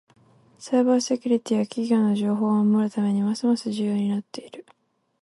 サイバーセキュリティは企業の情報を守るためにますます重要になっている。